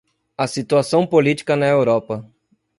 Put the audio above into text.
A Situação Política na Europa